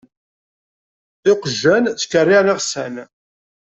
Iqjan ttkerriεen iɣsan.